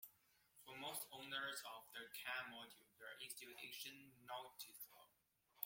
For most owners of the car model, the issue isn't noticeable.